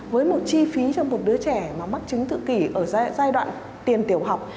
với một chi phí cho một đứa trẻ mà mắc chứng tự kỷ ở giai đoạn tiền tiểu học